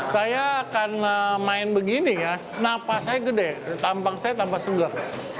saya akan main begini ya napas saya gede tampang saya tanpa sugar